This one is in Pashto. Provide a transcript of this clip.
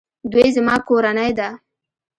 دوی زما کورنۍ ده